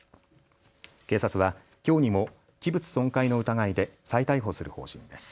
警察はきょうにも器物損壊の疑いで再逮捕する方針です。